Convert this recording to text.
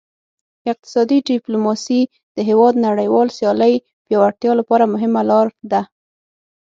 اقتصادي ډیپلوماسي د هیواد نړیوال سیالۍ پیاوړتیا لپاره مهمه لار ده